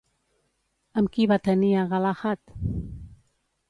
Amb qui va tenir a Galahad?